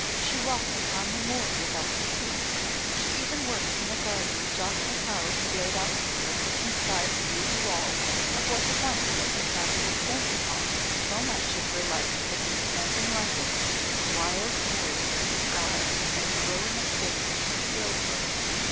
She walked upon the moor without fatigue, she even worked in a garden Jock Macaur had laid out for her inside the ruined walls of what had once been the castle's banquet hall. So much of her life had been spent in London that wild moor and sky and the growing of things thrilled her.